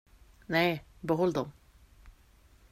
Nej, behåll dem.